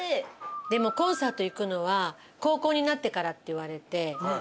でもコンサート行くのは高校になってからって言われて。